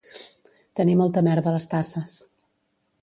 Tenir molta merda a les tasses.